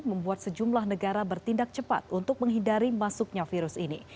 membuat sejumlah negara bertindak cepat untuk menghindari masuknya virus ini